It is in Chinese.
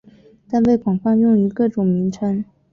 但被广泛用于各种名称。